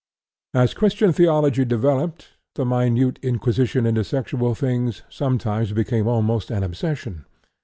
As Christian theology developed, the minute inquisition into sexual things sometimes became almost an obsession.